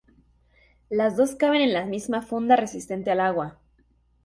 Las dos caben en la misma funda resistente al agua.